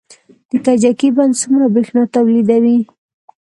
د کجکي بند څومره بریښنا تولیدوي؟